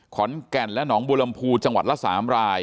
ขอนแก่นและหนองบัวลำพูจังหวัดละ๓ราย